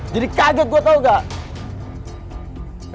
kaget gue tau gak